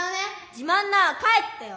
自まんなら帰ってよ！